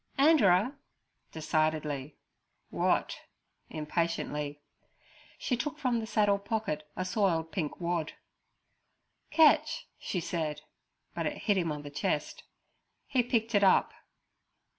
'Anderer' decidedly. 'Wot?' impatiently. She took from the saddle pocket a soiled pink wad. 'Ketch' she said, but it hit him on the chest. He picked it up.